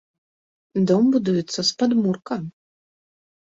Дом будуецца з падмурка.